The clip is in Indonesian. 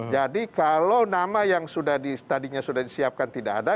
jadi kalau nama yang sudah di tadinya sudah disiapkan tidak ada